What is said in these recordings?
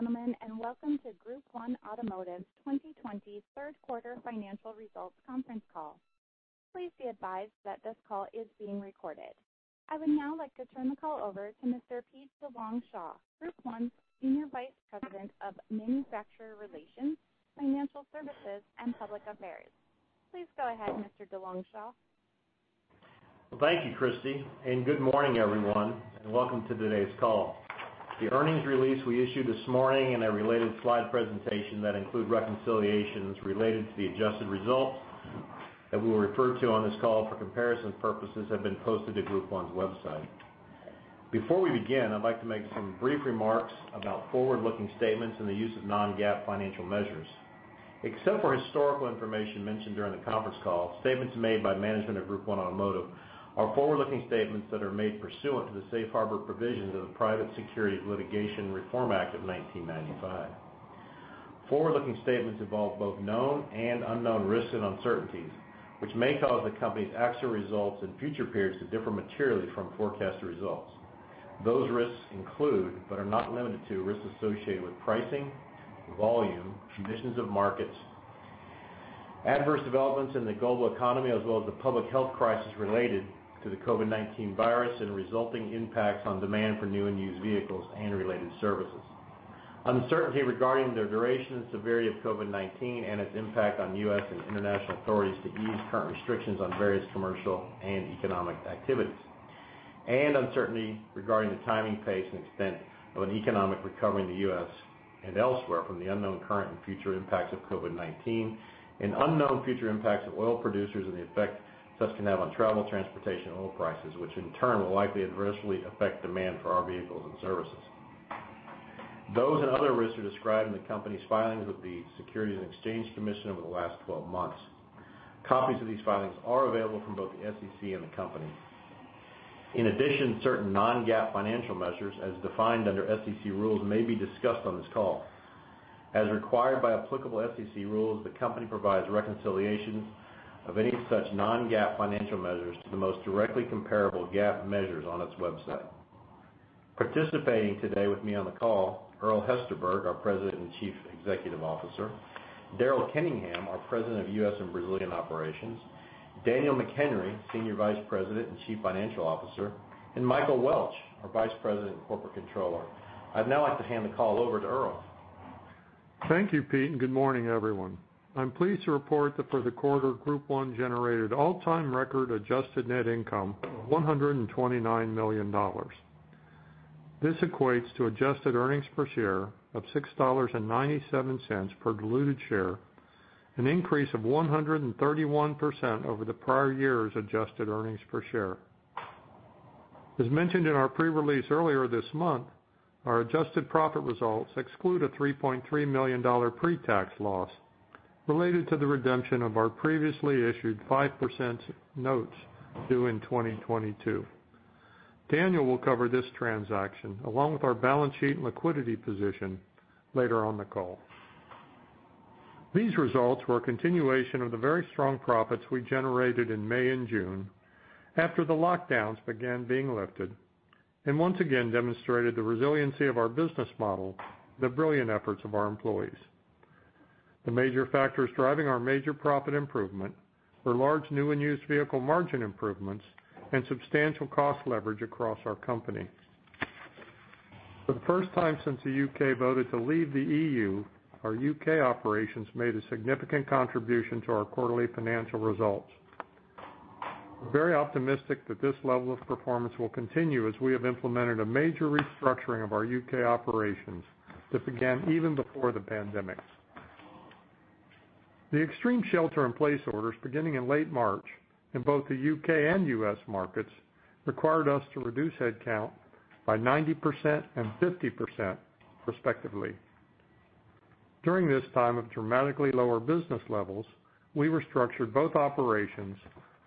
Good morning, ladies and gentlemen, welcome to Group 1 Automotive's 2020 third quarter financial results conference call. Please be advised that this call is being recorded. I would now like to turn the call over to Mr. Pete DeLongchamps, Group 1's Senior Vice President of Manufacturer Relations, Financial Services, and Public Affairs. Please go ahead, Mr. DeLongchamps. Well, thank you, Christy, and good morning, everyone, and welcome to today's call. The earnings release we issued this morning and a related slide presentation that include reconciliations related to the adjusted results that we will refer to on this call for comparison purposes have been posted to Group 1's website. Before we begin, I'd like to make some brief remarks about forward-looking statements and the use of non-GAAP financial measures. Except for historical information mentioned during the conference call, statements made by management of Group 1 Automotive are forward-looking statements that are made pursuant to the safe harbor provisions of the Private Securities Litigation Reform Act of 1995. Forward-looking statements involve both known and unknown risks and uncertainties, which may cause the company's actual results in future periods to differ materially from forecasted results. Those risks include, but are not limited to, risks associated with pricing, volume, conditions of markets, adverse developments in the global economy as well as the public health crisis related to the COVID-19 virus and resulting impacts on demand for new and used vehicles and related services. Uncertainty regarding the duration and severity of COVID-19 and its impact on U.S. and international authorities to ease current restrictions on various commercial and economic activities. Uncertainty regarding the timing, pace, and extent of an economic recovery in the U.S. and elsewhere from the unknown current and future impacts of COVID-19, and unknown future impacts of oil producers and the effect such can have on travel, transportation, and oil prices, which in turn will likely adversely affect demand for our vehicles and services. Those and other risks are described in the company's filings with the Securities and Exchange Commission over the last 12 months. Copies of these filings are available from both the SEC and the company. In addition, certain non-GAAP financial measures, as defined under SEC rules, may be discussed on this call. As required by applicable SEC rules, the company provides reconciliations of any such non-GAAP financial measures to the most directly comparable GAAP measures on its website. Participating today with me on the call, Earl Hesterberg, our President and Chief Executive Officer, Daryl Kenningham, our President of U.S. and Brazilian Operations, Daniel McHenry, Senior Vice President and Chief Financial Officer, Michael Welch, our Vice President and Corporate Controller. I'd now like to hand the call over to Earl. Thank you, Pete, and good morning, everyone. I'm pleased to report that for the quarter, Group 1 generated all-time record adjusted net income of $129 million. This equates to adjusted earnings per share of $6.97 per diluted share, an increase of 131% over the prior year's adjusted earnings per share. As mentioned in our pre-release earlier this month, our adjusted profit results exclude a $3.3 million pre-tax loss related to the redemption of our previously issued 5% notes due in 2022. Daniel will cover this transaction, along with our balance sheet and liquidity position later on the call. These results were a continuation of the very strong profits we generated in May and June after the lockdowns began being lifted and once again demonstrated the resiliency of our business model, the brilliant efforts of our employees. The major factors driving our major profit improvement were large new and used vehicle margin improvements and substantial cost leverage across our company. For the first time since the U.K. voted to leave the EU, our U.K. operations made a significant contribution to our quarterly financial results. We're very optimistic that this level of performance will continue as we have implemented a major restructuring of our U.K. operations that began even before the pandemic. The extreme shelter-in-place orders beginning in late March in both the U.K. and U.S. markets required us to reduce headcount by 90% and 50%, respectively. During this time of dramatically lower business levels, we restructured both operations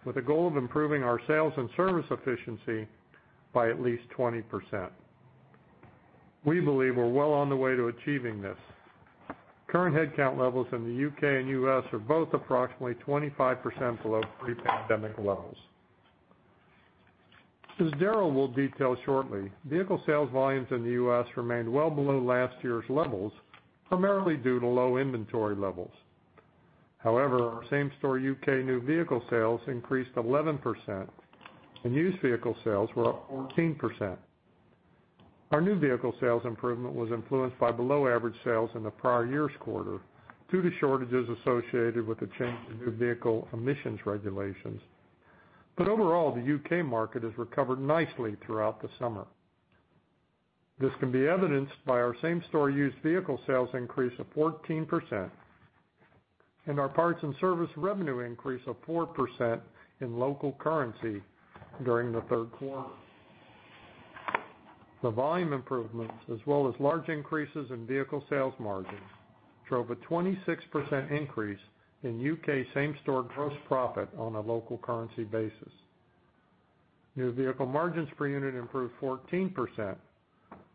with a goal of improving our sales and service efficiency by at least 20%. We believe we're well on the way to achieving this. Current headcount levels in the U.K. and U.S. are both approximately 25% below pre-pandemic levels. As Daryl will detail shortly, vehicle sales volumes in the U.S. remained well below last year's levels, primarily due to low inventory levels. However, our same-store U.K. new vehicle sales increased 11%, and used vehicle sales were up 14%. Our new vehicle sales improvement was influenced by below average sales in the prior year's quarter due to shortages associated with the change in new vehicle emissions regulations. Overall, the U.K. market has recovered nicely throughout the summer. This can be evidenced by our same-store used vehicle sales increase of 14% and our parts and service revenue increase of 4% in local currency during the third quarter. The volume improvements as well as large increases in vehicle sales margins drove a 26% increase in U.K. same-store gross profit on a local currency basis. New vehicle margins per unit improved 14%,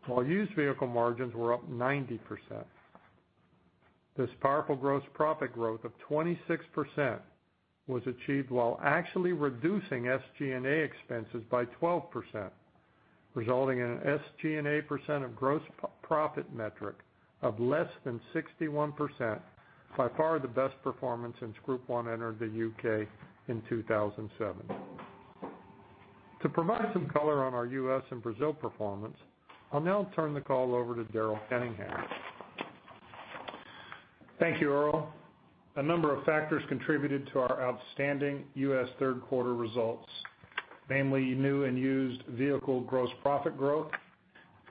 while used vehicle margins were up 90%. This powerful gross profit growth of 26% was achieved while actually reducing SG&A expenses by 12%, resulting in an SG&A percent of gross profit metric of less than 61%, by far the best performance since Group 1 entered the U.K. in 2007. To provide some color on our U.S. and Brazil performance, I'll now turn the call over to Daryl Kenningham. Thank you, Earl. A number of factors contributed to our outstanding U.S. third-quarter results, namely new and used vehicle gross profit growth,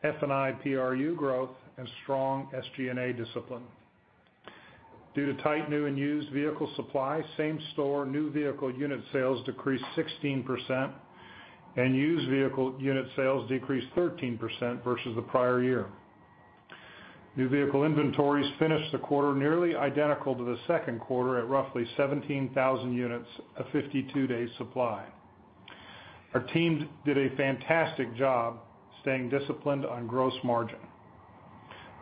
F&I PRU growth, and strong SG&A discipline. Due to tight new and used vehicle supply, same-store new vehicle unit sales decreased 16%, and used vehicle unit sales decreased 13% versus the prior year. New vehicle inventories finished the quarter nearly identical to the second quarter at roughly 17,000 units, a 52-day supply. Our teams did a fantastic job staying disciplined on gross margin.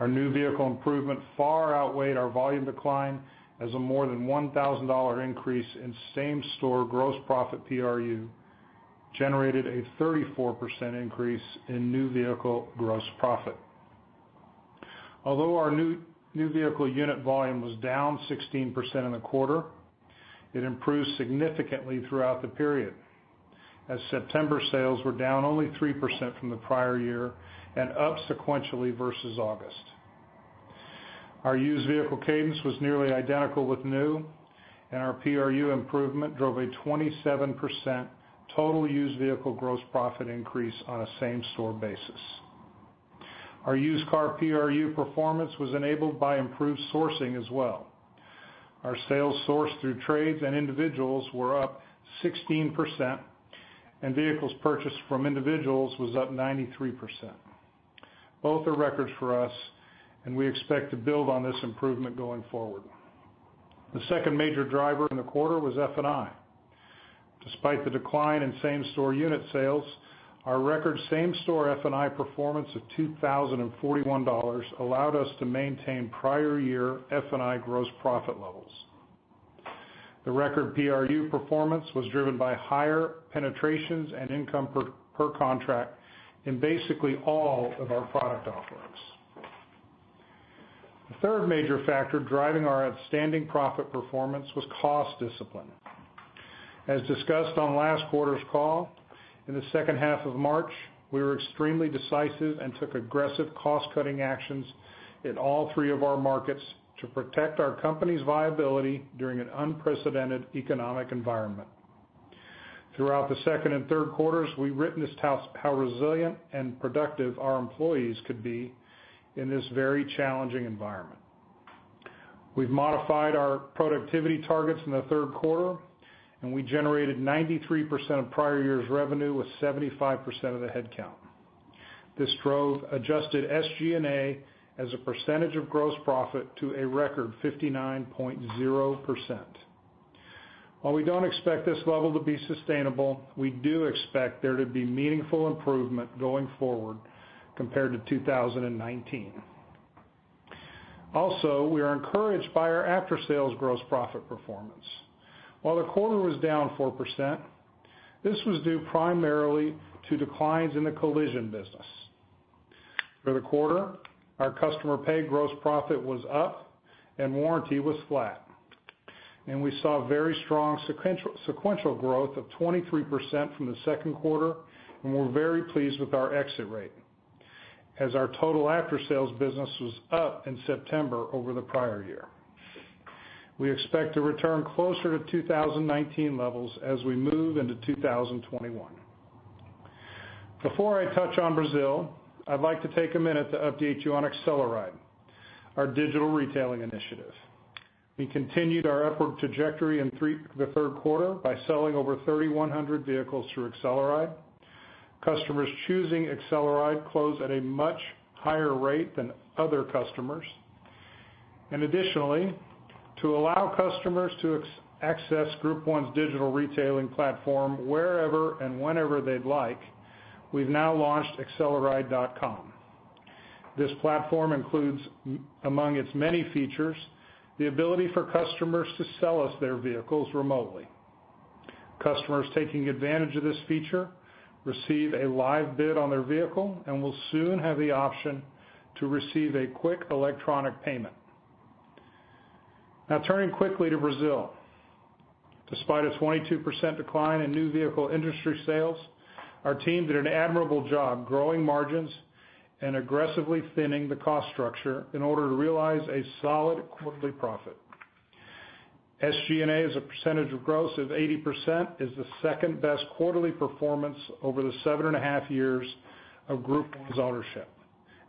Our new vehicle improvement far outweighed our volume decline as a more than $1,000 increase in same-store gross profit PRU generated a 34% increase in new vehicle gross profit. Although our new vehicle unit volume was down 16% in the quarter, it improved significantly throughout the period, as September sales were down only 3% from the prior year and up sequentially versus August. Our used vehicle cadence was nearly identical with new, and our PRU improvement drove a 27% total used vehicle gross profit increase on a same-store basis. Our used car PRU performance was enabled by improved sourcing as well. Our sales source through trades and individuals were up 16%, and vehicles purchased from individuals was up 93%. Both are records for us, and we expect to build on this improvement going forward. The second major driver in the quarter was F&I. Despite the decline in same-store unit sales, our record same-store F&I performance of $2,041 allowed us to maintain prior year F&I gross profit levels. The record PRU performance was driven by higher penetrations and income per contract in basically all of our product offerings. The third major factor driving our outstanding profit performance was cost discipline. As discussed on last quarter's call, in the second half of March, we were extremely decisive and took aggressive cost-cutting actions in all three of our markets to protect our company's viability during an unprecedented economic environment. Throughout the second and third quarters, we witnessed how resilient and productive our employees could be in this very challenging environment. We've modified our productivity targets in the third quarter, and we generated 93% of prior year's revenue with 75% of the headcount. This drove adjusted SG&A as a percentage of gross profit to a record 59.0%. While we don't expect this level to be sustainable, we do expect there to be meaningful improvement going forward compared to 2019. Also, we are encouraged by our after-sales gross profit performance. While the quarter was down 4%, this was due primarily to declines in the collision business. For the quarter, our customer pay gross profit was up and warranty was flat. We saw very strong sequential growth of 23% from the second quarter, and we're very pleased with our exit rate as our total after-sales business was up in September over the prior year. We expect to return closer to 2019 levels as we move into 2021. Before I touch on Brazil, I'd like to take a minute to update you on AcceleRide, our digital retailing initiative. We continued our upward trajectory in the third quarter by selling over 3,100 vehicles through AcceleRide. Customers choosing AcceleRide close at a much higher rate than other customers. Additionally, to allow customers to access Group 1's digital retailing platform wherever and whenever they'd like, we've now launched acceleride.com. This platform includes, among its many features, the ability for customers to sell us their vehicles remotely. Customers taking advantage of this feature receive a live bid on their vehicle and will soon have the option to receive a quick electronic payment. Now turning quickly to Brazil. Despite a 22% decline in new vehicle industry sales, our team did an admirable job growing margins and aggressively thinning the cost structure in order to realize a solid quarterly profit. SG&A as a percentage of gross of 80% is the second-best quarterly performance over the seven and a half years of Group 1's ownership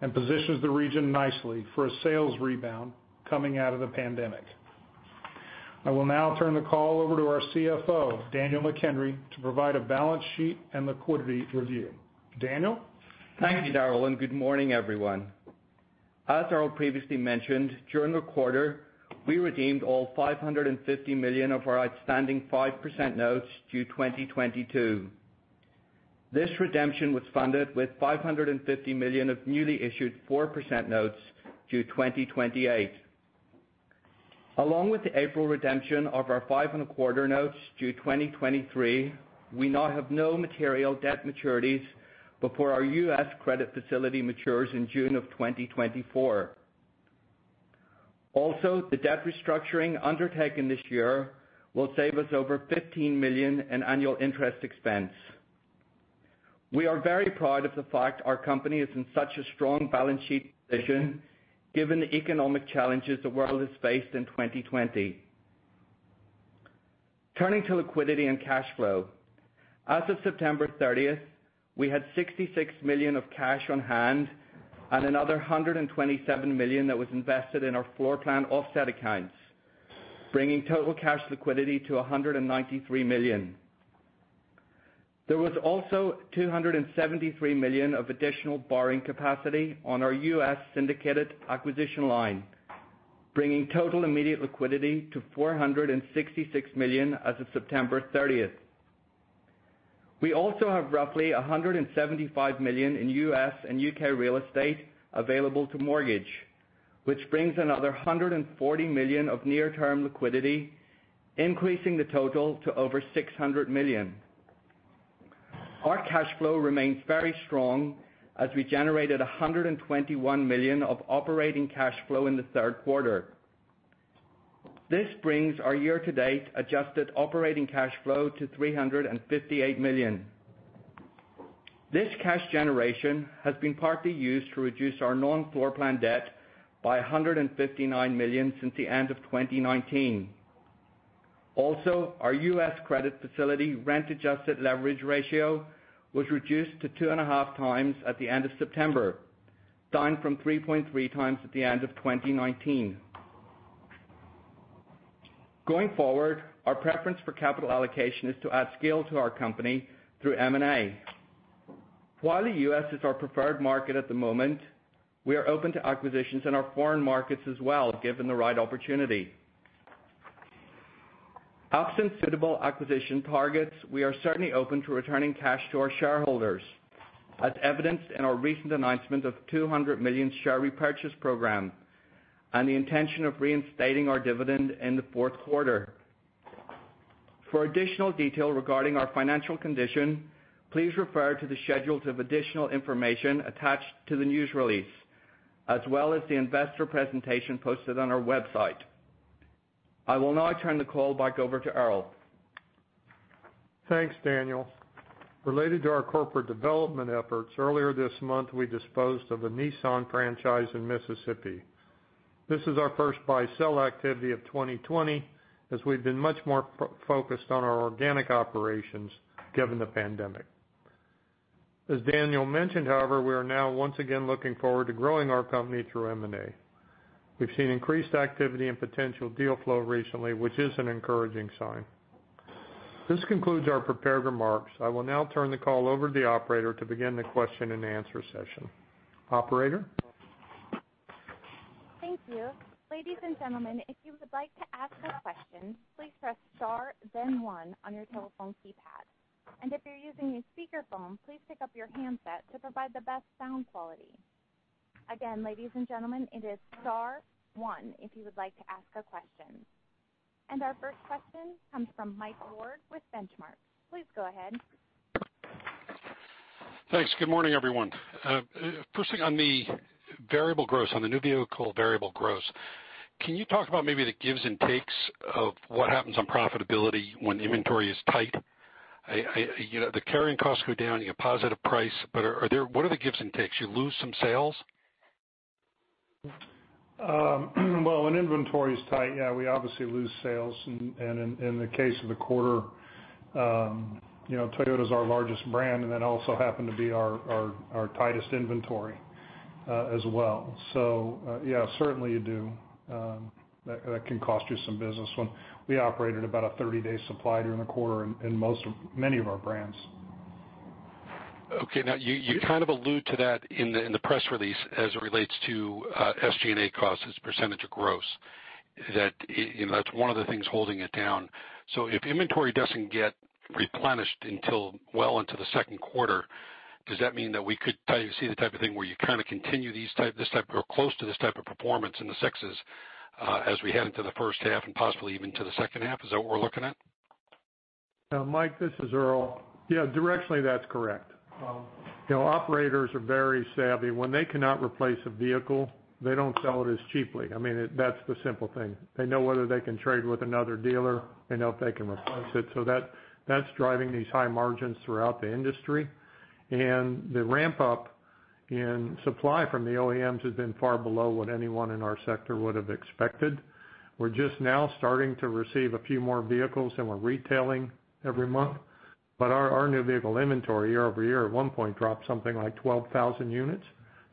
and positions the region nicely for a sales rebound coming out of the pandemic. I will now turn the call over to our CFO, Daniel McHenry, to provide a balance sheet and liquidity review. Daniel? Thank you, Daryl. Good morning, everyone. As Earl previously mentioned, during the quarter, we redeemed all $550 million of our outstanding 5% notes due 2022. This redemption was funded with $550 million of newly issued 4% notes due 2028. Along with the April redemption of our 5.25 notes due 2023, we now have no material debt maturities before our U.S. credit facility matures in June of 2024. The debt restructuring undertaken this year will save us over $15 million in annual interest expense. We are very proud of the fact our company is in such a strong balance sheet position given the economic challenges the world has faced in 2020. Turning to liquidity and cash flow. As of September 30th, we had $66 million of cash on hand and another $127 million that was invested in our floor plan offset accounts, bringing total cash liquidity to $193 million. There was also $273 million of additional borrowing capacity on our U.S. syndicated acquisition line, bringing total immediate liquidity to $466 million as of September 30th. We also have roughly $175 million in U.S. and U.K. real estate available to mortgage, which brings another $140 million of near-term liquidity, increasing the total to over $600 million. Our cash flow remains very strong as we generated $121 million of operating cash flow in the third quarter. This brings our year-to-date adjusted operating cash flow to $358 million. This cash generation has been partly used to reduce our non-floor plan debt by $159 million since the end of 2019. Our U.S. credit facility rent adjusted leverage ratio was reduced to 2.5 times at the end of September, down from 3.3 times at the end of 2019. Going forward, our preference for capital allocation is to add scale to our company through M&A. While the U.S. is our preferred market at the moment, we are open to acquisitions in our foreign markets as well, given the right opportunity. Absent suitable acquisition targets, we are certainly open to returning cash to our shareholders, as evidenced in our recent announcement of $200 million share repurchase program and the intention of reinstating our dividend in the fourth quarter. For additional detail regarding our financial condition, please refer to the schedules of additional information attached to the news release, as well as the investor presentation posted on our website. I will now turn the call back over to Earl. Thanks, Daniel. Related to our corporate development efforts, earlier this month, we disposed of a Nissan franchise in Mississippi. This is our first buy-sell activity of 2020, as we've been much more focused on our organic operations given the pandemic. As Daniel mentioned, however, we are now once again looking forward to growing our company through M&A. We've seen increased activity and potential deal flow recently, which is an encouraging sign. This concludes our prepared remarks. I will now turn the call over to the operator to begin the question and answer session. Operator? Thank you. Ladies and gentlemen, if you would like to ask a question, please press star then one on your telephone keypad. If you're using a speakerphone, please pick up your handset to provide the best sound quality. Again, ladies and gentlemen, it is star one if you would like to ask a question. Our first question comes from Mike Ward with Benchmark. Please go ahead. Thanks. Good morning, everyone. First thing on the new vehicle variable gross, can you talk about maybe the gives and takes of what happens on profitability when inventory is tight? The carrying costs go down, you get positive price, but what are the gives and takes? You lose some sales? When inventory is tight, we obviously lose sales. In the case of the quarter, Toyota's our largest brand, also happen to be our tightest inventory as well. Certainly you do. That can cost you some business when we operate at about a 30-day supply during the quarter in many of our brands. Now, you kind of allude to that in the press release as it relates to SG&A costs as % of gross. That's one of the things holding it down. If inventory doesn't get replenished until well into the second quarter, does that mean that we could see the type of thing where you kind of continue close to this type of performance in the sixes as we head into the first half and possibly even to the second half? Is that what we're looking at? Mike, this is Earl. Yeah, directly, that's correct. Operators are very savvy. When they cannot replace a vehicle, they don't sell it as cheaply. That's the simple thing. They know whether they can trade with another dealer. They know if they can replace it. That's driving these high margins throughout the industry. The ramp-up in supply from the OEMs has been far below what anyone in our sector would have expected. We're just now starting to receive a few more vehicles than we're retailing every month. Our new vehicle inventory year-over-year at one point dropped something like 12,000 units.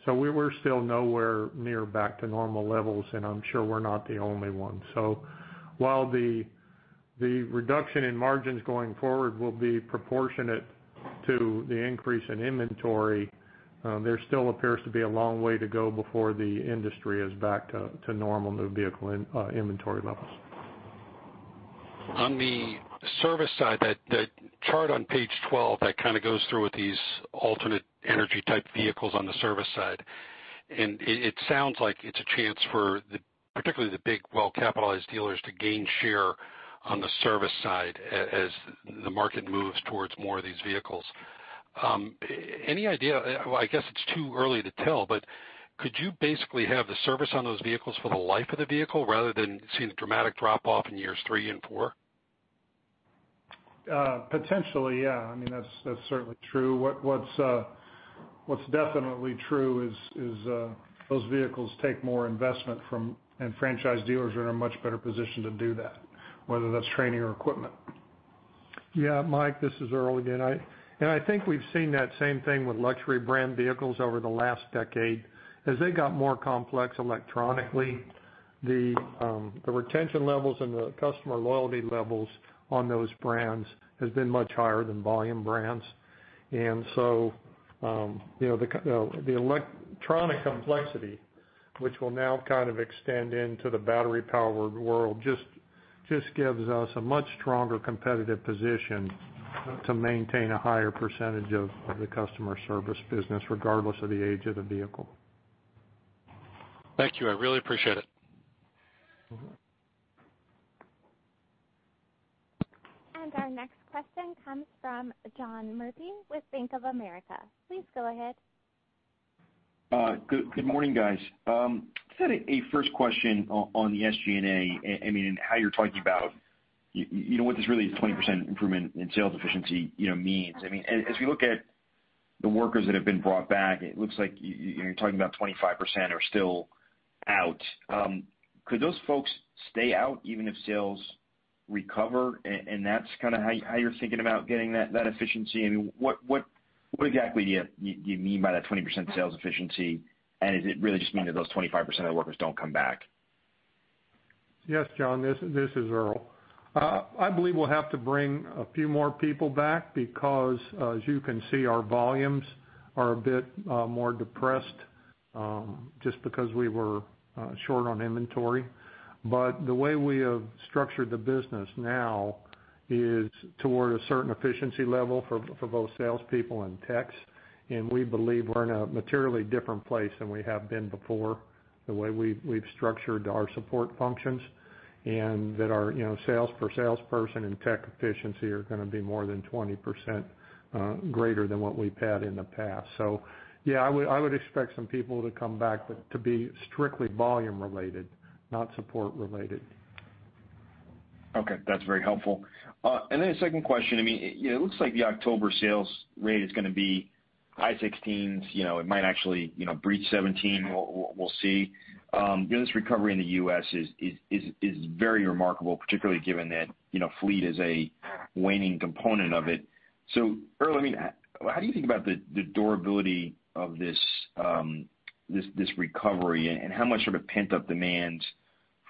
We were still nowhere near back to normal levels, and I'm sure we're not the only one. While the reduction in margins going forward will be proportionate to the increase in inventory, there still appears to be a long way to go before the industry is back to normal new vehicle inventory levels. On the service side, that chart on page 12 that kind of goes through with these alternate energy type vehicles on the service side. It sounds like it's a chance for particularly the big, well-capitalized dealers to gain share on the service side as the market moves towards more of these vehicles. Any idea? Well, I guess it's too early to tell, but could you basically have the service on those vehicles for the life of the vehicle rather than see the dramatic drop-off in years three and four? Potentially, yeah. I mean, that's certainly true. What's definitely true is those vehicles take more investment from, and franchise dealers are in a much better position to do that, whether that's training or equipment. Yeah, Mike, this is Earl again. I think we've seen that same thing with luxury brand vehicles over the last decade. As they got more complex electronically, the retention levels and the customer loyalty levels on those brands has been much higher than volume brands. The electronic complexity, which will now kind of extend into the battery powered world, just gives us a much stronger competitive position to maintain a higher % of the customer service business regardless of the age of the vehicle. Thank you. I really appreciate it. Our next question comes from John Murphy with Bank of America. Please go ahead. Good morning, guys. Just had a first question on the SG&A, I mean, and how you're talking about what this really 20% improvement in sales efficiency means. I mean, as we look at the workers that have been brought back, it looks like you're talking about 25% are still out. Could those folks stay out even if sales recover, and that's kind of how you're thinking about getting that efficiency? I mean, what exactly do you mean by that 20% sales efficiency? Does it really just mean that those 25% of workers don't come back? Yes, John, this is Earl. I believe we'll have to bring a few more people back because as you can see, our volumes are a bit more depressed, just because we were short on inventory. The way we have structured the business now is toward a certain efficiency level for both salespeople and techs. We believe we're in a materially different place than we have been before, the way we've structured our support functions, and that our sales per salesperson and tech efficiency are going to be more than 20% greater than what we've had in the past. Yeah, I would expect some people to come back, but to be strictly volume related, not support related. Okay, that's very helpful. I mean, second question, it looks like the October sales rate is going to be high 16s. It might actually breach 17. We'll see. This recovery in the U.S. is very remarkable, particularly given that fleet is a waning component of it. Earl, I mean, how do you think about the durability of this recovery and how much sort of pent-up demand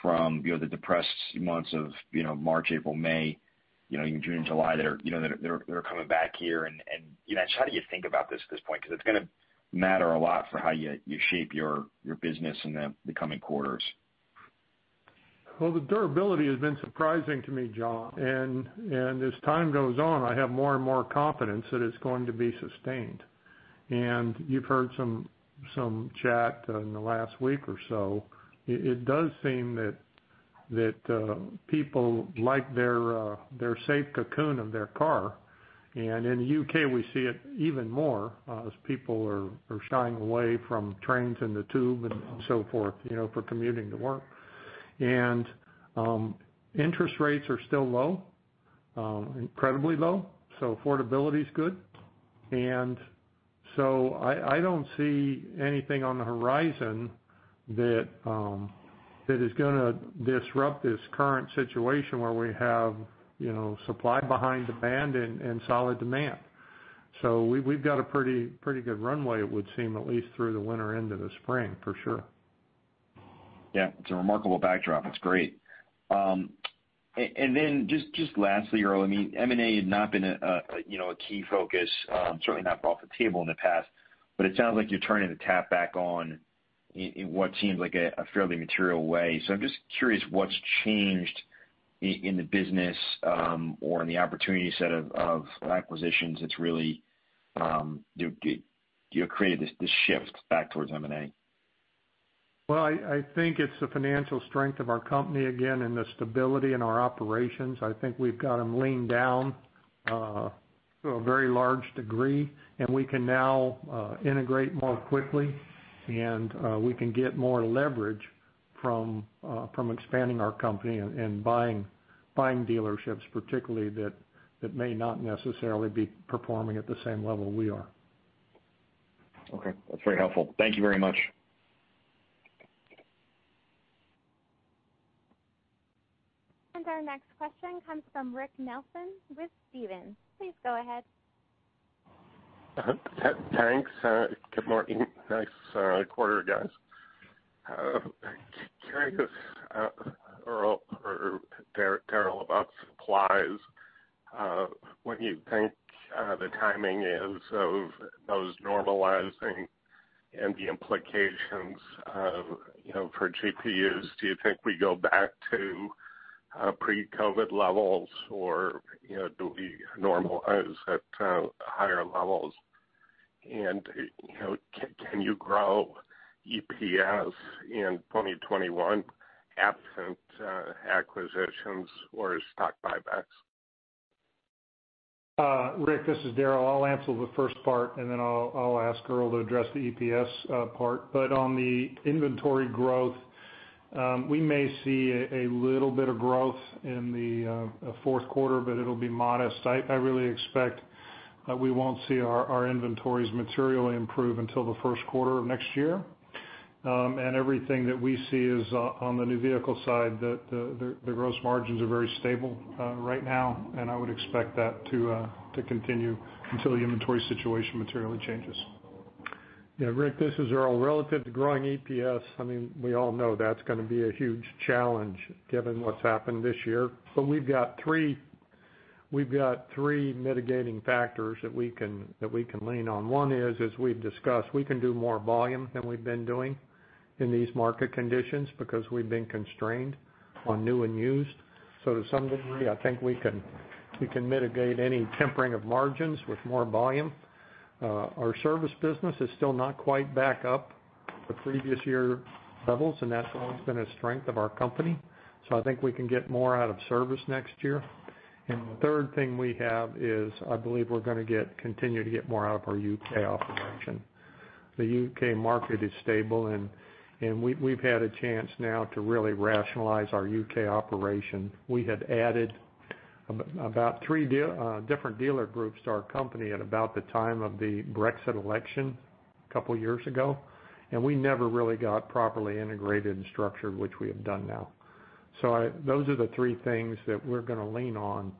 from the depressed months of March, April, May, June and July that are coming back here and how do you think about this at this point? Because it's going to matter a lot for how you shape your business in the coming quarters. Well, the durability has been surprising to me, John. As time goes on, I have more and more confidence that it's going to be sustained. You've heard some chat in the last week or so. It does seem that people like their safe cocoon of their car. In the U.K., we see it even more, as people are shying away from trains and the tube and so forth for commuting to work. Interest rates are still low, incredibly low, so affordability's good. I don't see anything on the horizon that is going to disrupt this current situation where we have supply behind demand and solid demand. We've got a pretty good runway it would seem, at least through the winter into the spring for sure. Yeah, it's a remarkable backdrop. It's great. Just lastly, Earl, I mean, M&A had not been a key focus, certainly not off the table in the past, but it sounds like you're turning the tap back on in what seems like a fairly material way. I'm just curious what's changed in the business, or in the opportunity set of acquisitions that's really created this shift back towards M&A. Well, I think it's the financial strength of our company again, and the stability in our operations. I think we've got them leaned down to a very large degree, and we can now integrate more quickly, and we can get more leverage from expanding our company and buying dealerships particularly that may not necessarily be performing at the same level we are. Okay. That's very helpful. Thank you very much. Our next question comes from Rick Nelson with Stephens. Please go ahead. Thanks. Good morning. Nice quarter, guys. Curious, Earl or Daryl, about supplies. What do you think the timing is of those normalizing. The implications of for GPUs. Do you think we go back to pre-COVID levels, or do we normalize at higher levels? Can you grow EPS in 2021 absent acquisitions or stock buybacks? Rick, this is Daryl. I'll answer the first part. Then I'll ask Earl to address the EPS part. On the inventory growth, we may see a little bit of growth in the fourth quarter, but it'll be modest. I really expect that we won't see our inventories materially improve until the first quarter of next year. Everything that we see is on the new vehicle side, that the gross margins are very stable right now, and I would expect that to continue until the inventory situation materially changes. Yeah, Rick, this is Earl. Relative to growing EPS, we all know that's going to be a huge challenge given what's happened this year. We've got three mitigating factors that we can lean on. One is, as we've discussed, we can do more volume than we've been doing in these market conditions because we've been constrained on new and used. To some degree, I think we can mitigate any tempering of margins with more volume. Our service business is still not quite back up to previous year levels, and that's always been a strength of our company. I think we can get more out of service next year. The third thing we have is, I believe we're going to continue to get more out of our U.K. operation. The U.K. market is stable, and we've had a chance now to really rationalize our U.K. operation. We had added about three different dealer groups to our company at about the time of the Brexit election a couple of years ago. We never really got properly integrated and structured, which we have done now. Those are the three things that we're going to lean on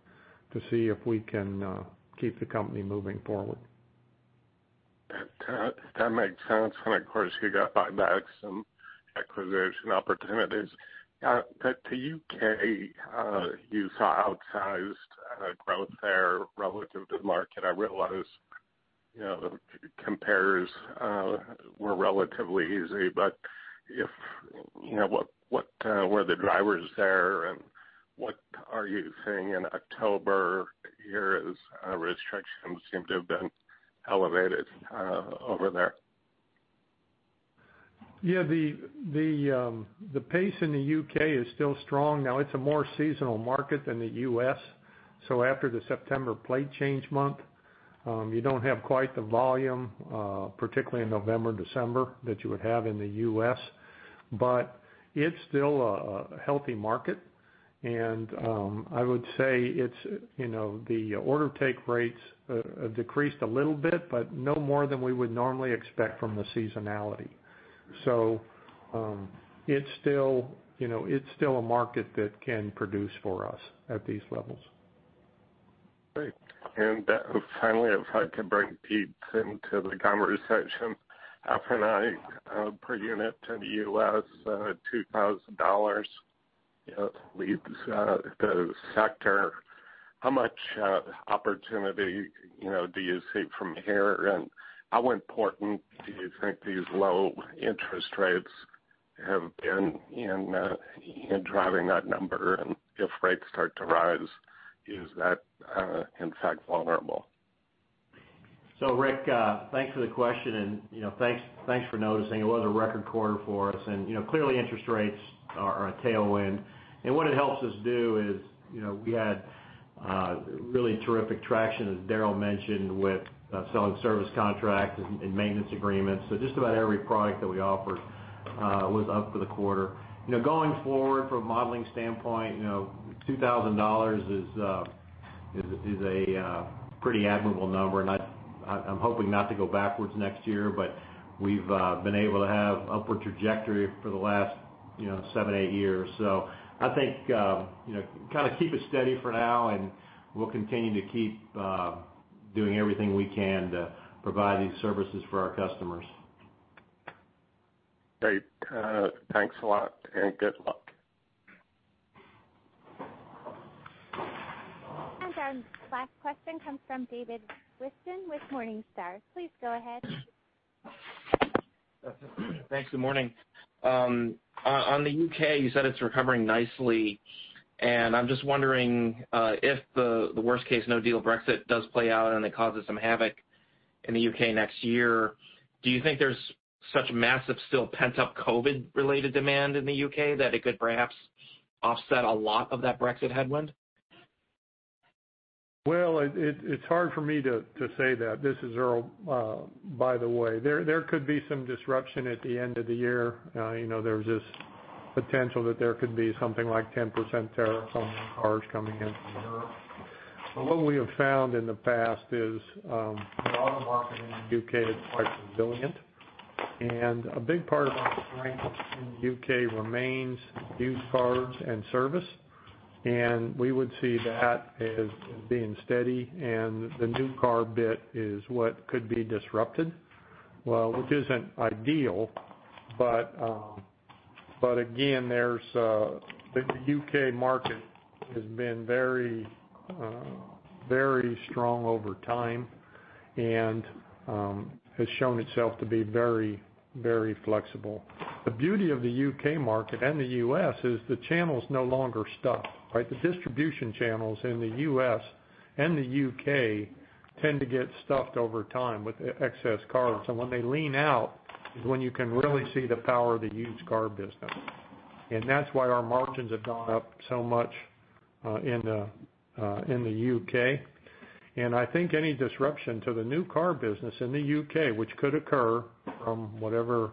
to see if we can keep the company moving forward. That makes sense. Of course, you got buybacks and acquisition opportunities. The U.K., you saw outsized growth there relative to the market. I realize the compares were relatively easy, but what were the drivers there, and what are you seeing in October? Year-end restrictions seem to have been elevated over there. The pace in the U.K. is still strong. It's a more seasonal market than the U.S., so after the September plate change month, you don't have quite the volume, particularly in November, December, that you would have in the U.S. It's still a healthy market. I would say the order take rates have decreased a little bit, but no more than we would normally expect from the seasonality. It's still a market that can produce for us at these levels. Great. Finally, if I can bring Pete into the conversation. F&I per unit in the U.S., $2,000 leads the sector. How much opportunity do you see from here, and how important do you think these low interest rates have been in driving that number? If rates start to rise, is that in fact vulnerable? Rick, thanks for the question and thanks for noticing. It was a record quarter for us. Clearly interest rates are a tailwind. What it helps us do is, we had really terrific traction, as Daryl mentioned, with selling service contracts and maintenance agreements. Just about every product that we offered was up for the quarter. Going forward, from a modeling standpoint, $2,000 is a pretty admirable number, and I'm hoping not to go backwards next year, but we've been able to have upward trajectory for the last seven, eight years. I think keep it steady for now and we'll continue to keep doing everything we can to provide these services for our customers. Great. Thanks a lot and good luck. Our last question comes from David Whiston with Morningstar. Please go ahead. Thanks. Good morning. On the U.K., you said it's recovering nicely, and I'm just wondering if the worst case, no deal Brexit does play out and it causes some havoc in the U.K. next year, do you think there's such massive still pent-up COVID-related demand in the U.K. that it could perhaps offset a lot of that Brexit headwind? Well, it's hard for me to say that. This is Earl, by the way. There could be some disruption at the end of the year. There's this potential that there could be something like 10% tariff on cars coming into Europe. What we have found in the past is the auto market in the U.K. is quite resilient. A big part of our strength in the U.K. remains used cars and service. We would see that as being steady and the new car bit is what could be disrupted. Well, which isn't ideal. Again, the U.K. market has been very strong over time and has shown itself to be very flexible. The beauty of the U.K. market and the U.S. is the channel's no longer stuffed, right? The distribution channels in the U.S. and the U.K. tend to get stuffed over time with excess cars. When they lean out is when you can really see the power of the used car business. That's why our margins have gone up so much in the U.K. I think any disruption to the new car business in the U.K., which could occur from whatever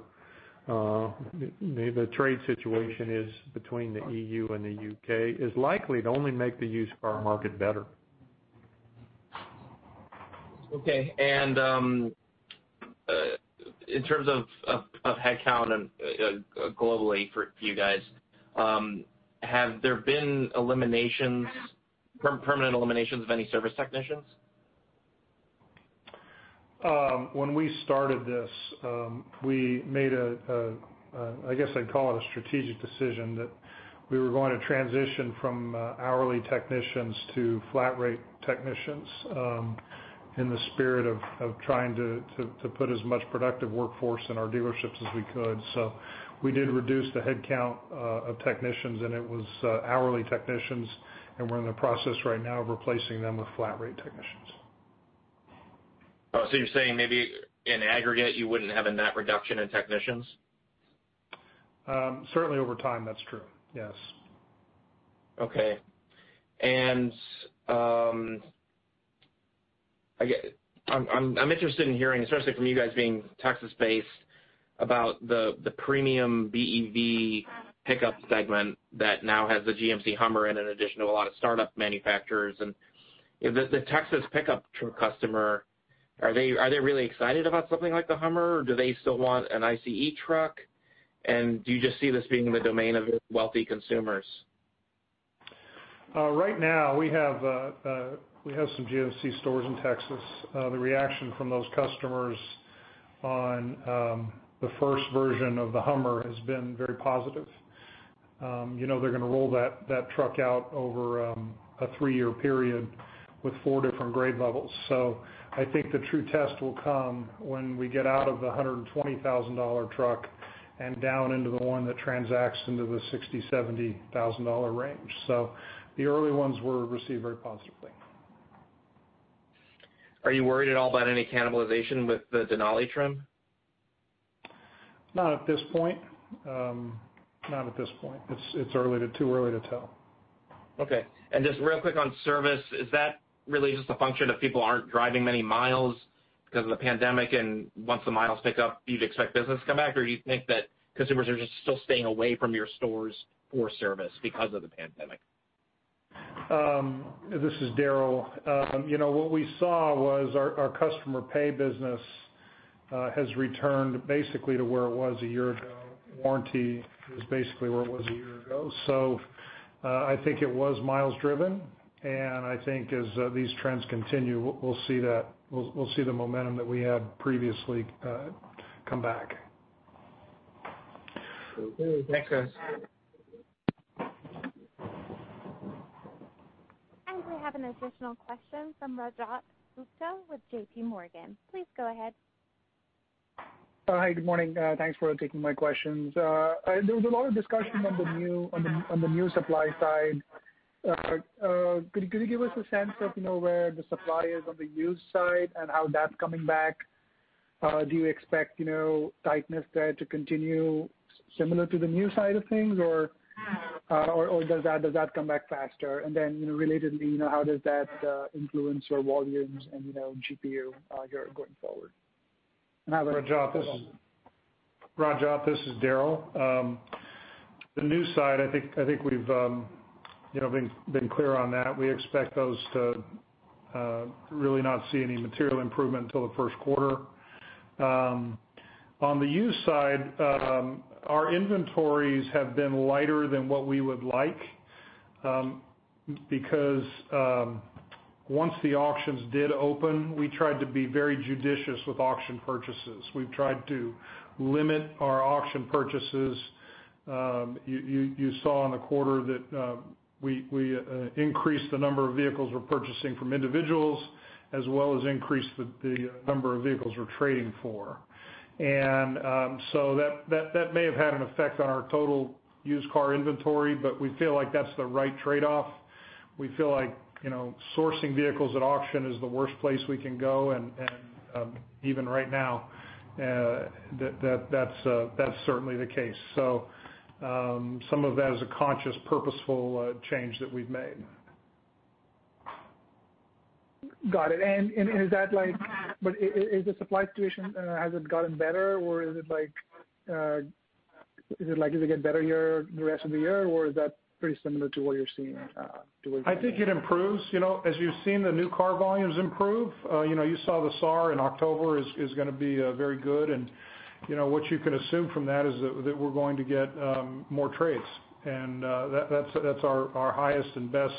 the trade situation is between the EU and the U.K., is likely to only make the used car market better. Okay. In terms of headcount and globally for you guys, have there been permanent eliminations of any service technicians? When we started this, we made a, I guess I'd call it a strategic decision that we were going to transition from hourly technicians to flat rate technicians, in the spirit of trying to put as much productive workforce in our dealerships as we could. We did reduce the headcount of technicians, and it was hourly technicians, and we're in the process right now of replacing them with flat rate technicians. You're saying maybe in aggregate, you wouldn't have a net reduction in technicians? Certainly over time, that's true, yes. Okay. I'm interested in hearing, especially from you guys being Texas-based, about the premium BEV pickup segment that now has the GMC Hummer and an addition of a lot of startup manufacturers. The Texas pickup truck customer, are they really excited about something like the Hummer, or do they still want an ICE truck? Do you just see this being in the domain of wealthy consumers? Right now, we have some GMC stores in Texas. The reaction from those customers on the first version of the HUMMER has been very positive. They're going to roll that truck out over a three-year period with 4 different grade levels. I think the true test will come when we get out of the $120,000 truck and down into the one that transacts into the $60,000-$70,000 range. The early ones were received very positively. Are you worried at all about any cannibalization with the Denali trim? Not at this point. It's too early to tell. Okay. Just real quick on service, is that really just a function of people aren't driving many miles because of the pandemic, and once the miles pick up, you'd expect business to come back, or do you think that consumers are just still staying away from your stores for service because of the pandemic? This is Daryl. What we saw was our customer pay business has returned basically to where it was a year ago. Warranty is basically where it was a year ago. I think it was miles driven, and I think as these trends continue, we'll see the momentum that we had previously come back. Okay. Thanks, guys. We have an additional question from Rajat Gupta with J.P. Morgan. Please go ahead. Hi. Good morning. Thanks for taking my questions. There was a lot of discussion on the new supply side. Could you give us a sense of where the supply is on the used side and how that's coming back? Do you expect tightness there to continue similar to the new side of things or does that come back faster? Relatedly, how does that influence your volumes and GPU going forward? Rajat, this is Daryl. The new side, I think we've been clear on that. We expect those to really not see any material improvement till the first quarter. On the used side, our inventories have been lighter than what we would like, because once the auctions did open, we tried to be very judicious with auction purchases. We've tried to limit our auction purchases. You saw in the quarter that we increased the number of vehicles we're purchasing from individuals, as well as increased the number of vehicles we're trading for. That may have had an effect on our total used car inventory, but we feel like that's the right trade-off. We feel like sourcing vehicles at auction is the worst place we can go, and even right now, that's certainly the case. Some of that is a conscious, purposeful change that we've made. Got it. The supply situation, has it gotten better, or does it get better the rest of the year, or is that pretty similar to what you're seeing towards the end of the year? I think it improves. As you've seen the new car volumes improve, you saw the SAAR in October is going to be very good. What you can assume from that is that we're going to get more trades. That's our highest and best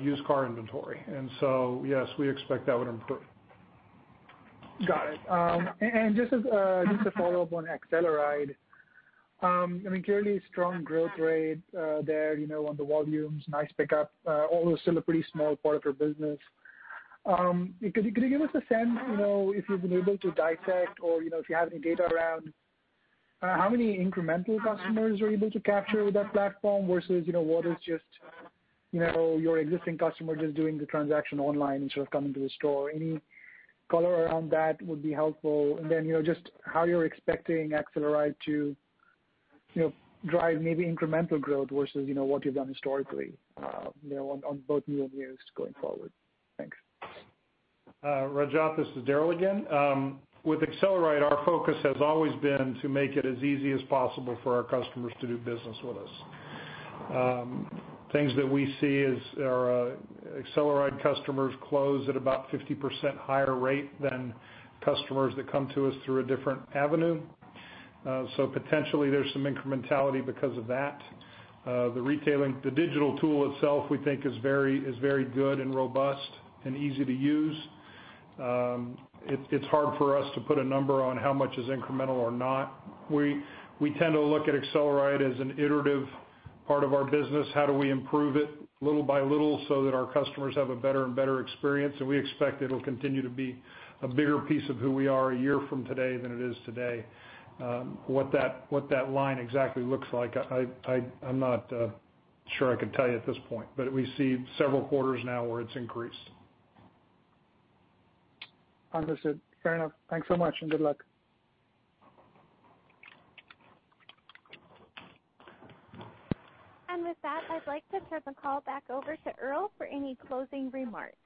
used car inventory. Yes, we expect that would improve. Got it. Just a follow-up on AcceleRide. Clearly strong growth rate there on the volumes, nice pickup, although still a pretty small part of your business. Could you give us a sense, if you've been able to dissect or if you have any data around how many incremental customers you're able to capture with that platform versus what is just your existing customer just doing the transaction online instead of coming to the store? Any color around that would be helpful. Then just how you're expecting AcceleRide to drive maybe incremental growth versus what you've done historically on both new and used going forward. Thanks. Rajat, this is Daryl again. With AcceleRide, our focus has always been to make it as easy as possible for our customers to do business with us. Things that we see is our AcceleRide customers close at about 50% higher rate than customers that come to us through a different avenue. Potentially there's some incrementality because of that. The digital tool itself, we think is very good and robust and easy to use. It's hard for us to put a number on how much is incremental or not. We tend to look at AcceleRide as an iterative part of our business. How do we improve it little by little so that our customers have a better and better experience? We expect it'll continue to be a bigger piece of who we are a year from today than it is today. What that line exactly looks like, I'm not sure I can tell you at this point, but we see several quarters now where it's increased. Understood. Fair enough. Thanks so much and good luck. With that, I'd like to turn the call back over to Earl for any closing remarks.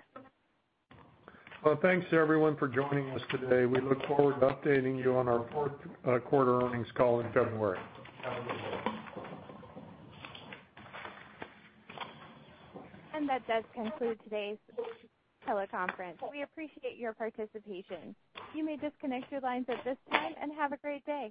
Well, thanks everyone for joining us today. We look forward to updating you on our fourth quarter earnings call in February. Have a good day. That does conclude today's teleconference. We appreciate your participation. You may disconnect your lines at this time and have a great day.